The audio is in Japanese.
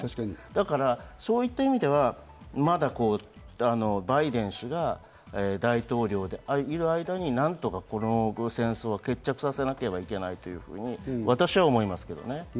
だからそういった意味では、まだバイデン氏が大統領でいる間に何とかこの戦争は決着させなければならないと私は思いますけどね。